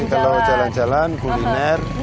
ini telah jalan jalan kuliner